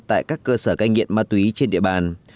tại các cơ sở cai nghiện ma túy trên địa bàn